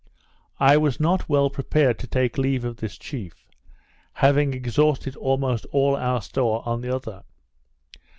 I was not well prepared to take leave of this chief, having exhausted almost all our store on the other.